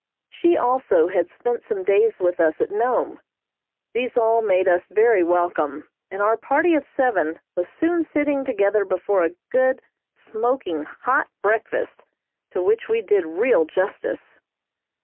She also had spent some days with us at Nome. These all made us very welcome, and our party of seven was soon sitting together before a good, smoking hot breakfast, to which we did real justice.